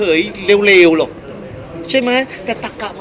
พี่อัดมาสองวันไม่มีใครรู้หรอก